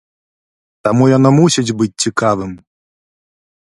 Таму яно мусіць быць цікавым!